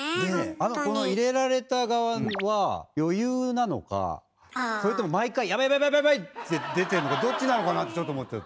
あのこの入れられた側は余裕なのかそれとも毎回「ヤバいヤバいヤバいヤバい！」って出てんのかどっちなのかなとちょっと思っちゃって。